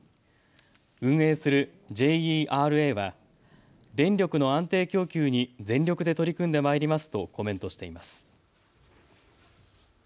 運営するＪＥＲＡは電力の安定供給に全力で取り組んでまいりますとコメントしています。